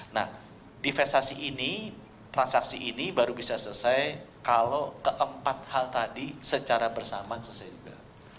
nah divestasi ini transaksi ini baru bisa selesai kalau keempat hal tadi secara bersamaan selesai juga